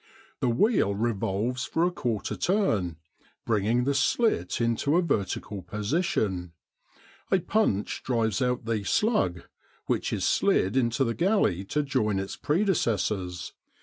The wheel revolves for a quarter turn, bringing the slit into a vertical position; a punch drives out the "slug," which is slid into the galley to join its predecessors.